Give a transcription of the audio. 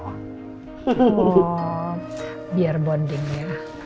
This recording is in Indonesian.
oh biar bonding ya